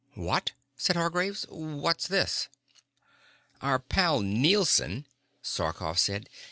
"What?" said Hargraves. "What's this?" "Our pal Nielson," Sarkoff said.